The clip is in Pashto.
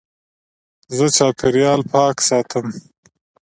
زه چاپېریال پاک ساتم.